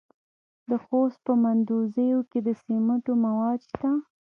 د خوست په مندوزیو کې د سمنټو مواد شته.